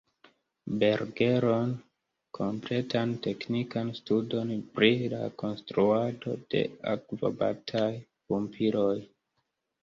Bergeron kompletan teknikan studon pri la konstruado de akvobataj pumpiloj.